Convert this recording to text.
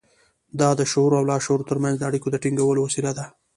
دا د شعور او لاشعور ترمنځ د اړيکو د ټينګولو وسيله ده.